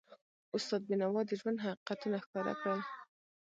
استاد بینوا د ژوند حقیقتونه ښکاره کړل.